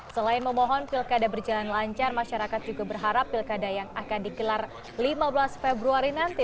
selain memohon pilkada berjalan lancar masyarakat juga berharap pilkada yang akan dikelar lima belas februari nanti